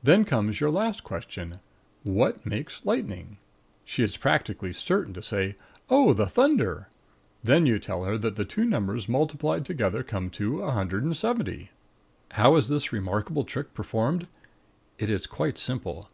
Then comes your last question: "What makes lightning?" She is practically certain to say, "Oh, the thunder." Then you tell her that the two numbers multiplied together come to 170. How is this remarkable trick performed? It is quite simple.